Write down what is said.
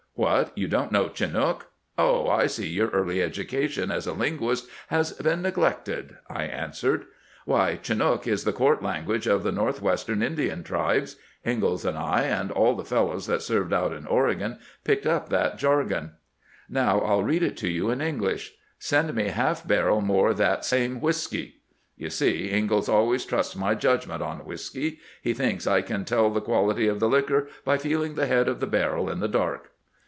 ' What ! you don't know Chinook ? Oh, I see your early education as a linguist has been neglected,' I answered. ' Why, Chinook is the court language of the Northwestern Indian tribes. Ingalls and I, and aU the fellows that served out in Oregon, picked up that jar gon. Now I '11 read it to you in English :" Send me half barrel more that same whisky." You see, Ingalls always trusts my judgment on whisky. He thinks I can tell the quality of the liquor by feeling the head of the barrel in the dark.'